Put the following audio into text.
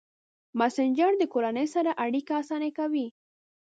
مسېنجر د کورنۍ سره اړیکه اسانه کوي.